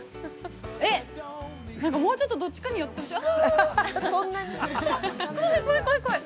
えっ、なんかもうちょっとどっちかに寄ってほしい。